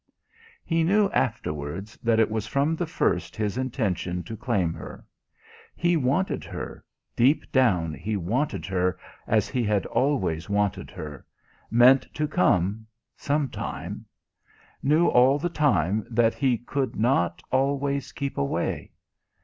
He knew, afterwards, that it was from the first his intention to claim her. He wanted her deep down he wanted her as he had always wanted her; meant to come some time. Knew all the time that he could not always keep away.